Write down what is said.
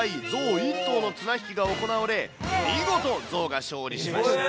１頭の綱引きが行われ、見事、象が勝利しました。